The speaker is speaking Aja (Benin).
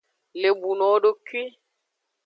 Lebuno wodokwi.